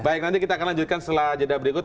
baik nanti kita akan lanjutkan setelah jeda berikut